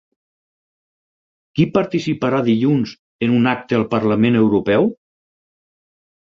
Qui participarà dilluns en un acte al Parlament Europeu?